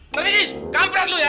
ternyata kamu berdua ya